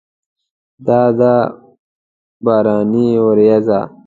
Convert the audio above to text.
دا ده باراني ورېځه!